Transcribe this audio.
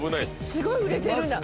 すごい売れてるんだ。